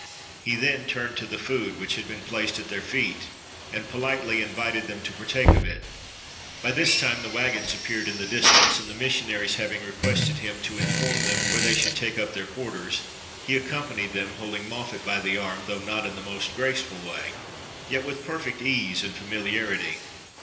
He then turned to the food, which had been placed at their feet, and politely invited them to partake of it. By this time the wagons appeared in the distance; and the missionaries having requested him to inform them where they should take up their quarters, he ac companied them, holding Moffat by the arm, though not in the most graceful way, yet with perfect ease and familiarity.